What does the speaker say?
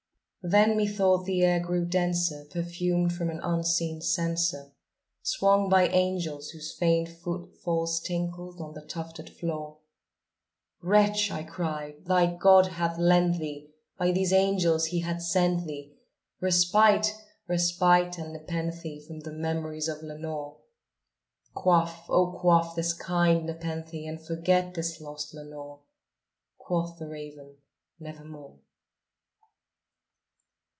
Then, methought the air grew denser, perfumed from an unseen censer Swung by angels whose faint foot falls tinkled on the tufted floor. "Wretch," I cried, "thy God hath lent thee by these angels he has sent thee Respite respite and nepenthe from the memories of Lenore! Quaff, oh quaff this kind nepenthe, and forget this lost Lenore!" Quoth the raven, "Nevermore."